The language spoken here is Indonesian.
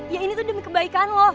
ya ini tuh demi kebaikan loh